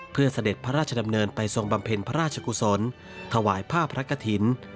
เพื่อเสด็จพระราชดำเนินไปทรงบำเพ็ญพระราชกุศลถวายผ้าพระกฐิน